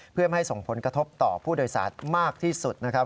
เพื่อไม่ให้ส่งผลกระทบต่อผู้โดยสารมากที่สุดนะครับ